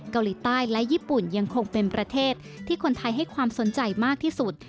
เกาหลีใต้และญี่ปุ่นยังคงเป็นประเทศที่คนไทยให้ความสนใจมากที่สุด